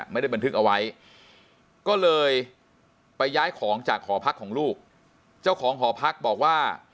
ไม่ได้บันทึกเอาไว้ก็เลยไปย้ายของจากหอพักของลูกเจ้าของหอพักบอกว่า